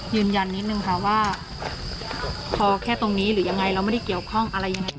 ยืนยันนิดนึงค่ะว่าพอแค่ตรงนี้หรือยังไงเราไม่ได้เกี่ยวข้องอะไรยังไง